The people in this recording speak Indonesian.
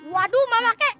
waduh mama kak